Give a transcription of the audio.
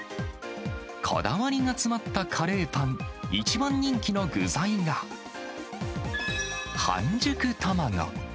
こだわりが詰まったカレーパン、一番人気の具材が半熟卵。